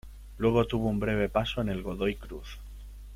Luego tuvo un breve paso en el Godoy Cruz.